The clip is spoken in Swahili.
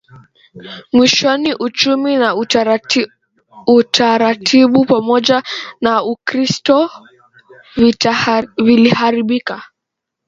Mwishoni uchumi na utaratibu pamoja na Ukristo viliharibika